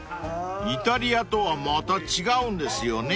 ［イタリアとはまた違うんですよね］